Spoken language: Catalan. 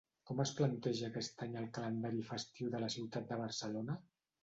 Com es planteja aquest any el calendari festiu de la ciutat de Barcelona?